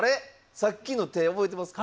さっきの手覚えてますか？